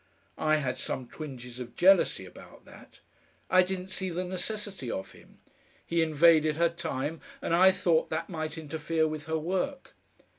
I had some twinges of jealousy about that. I didn't see the necessity of him. He invaded her time, and I thought that might interfere with her work.